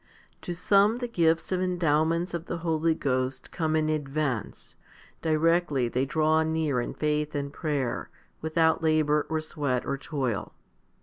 To some the gifts and endowments of the Holy Ghost come in advance, directly they draw near in faith and prayer, without labour, or sweat, or toil.